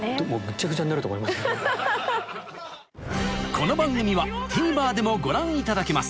この番組はＴＶｅｒでもご覧いただけます